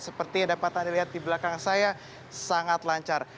seperti yang dapat anda lihat di belakang saya sangat lancar